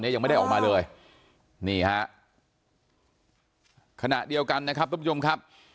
นี้ยังไม่ได้ออกมาเลยนี่ค่ะคณะเดียวกันนะครับทุกคนครับ